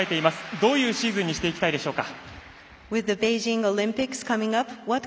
どういうシーズンにしていきたいでしょうか。